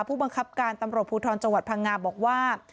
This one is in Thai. ผู้บังคับการตำรวจภูทรจังหวัดพังงาบอกว่า